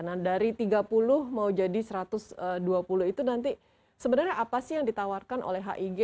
nah dari tiga puluh mau jadi satu ratus dua puluh itu nanti sebenarnya apa sih yang ditawarkan oleh hig